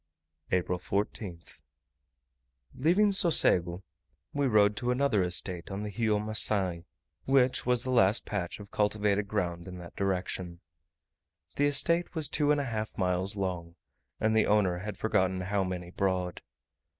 April 14th. Leaving Socego, we rode to another estate on the Rio Macae, which was the last patch of cultivated ground in that direction. The estate was two and a half miles long, and the owner had forgotten how many broad.